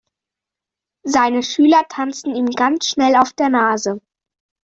Seine Schüler tanzen ihm ganz schnell auf der Nase.